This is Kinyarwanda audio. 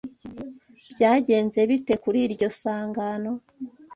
Byagenze bite kuri iryo sangano?